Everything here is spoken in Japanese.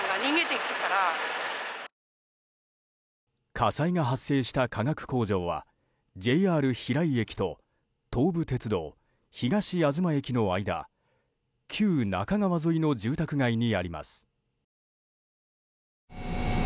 火災が発生した化学工場はＪＲ平井駅と東武鉄道東あずま駅の間旧中川沿いの住宅街にあります。